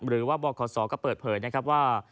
หรือว่าบข๒ก็เปิดเผยนะครับว่า